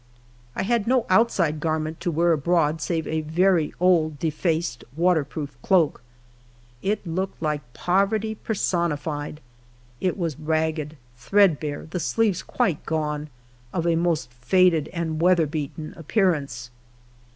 I had no outside garment to wear abroad save a very old. defaced water proof cloak. It looked like poverty person ified ; it was ragged, threadbnre, the sleeves quite gone, of a most faded and weather beaten appearance.